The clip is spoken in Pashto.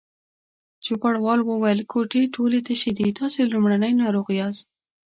چوپړوال وویل: کوټې ټولې تشې دي، تاسې لومړنی ناروغ یاست.